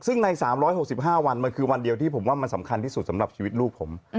ซึ่งใน๓๖๕วันมันคือวันเดียวที่ผมว่ามันสำคัญที่สุดสำหรับชีวิตลูกผม